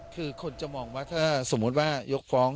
คือคนจะมองว่าถ้าสมมุติว่ายกฟ้อง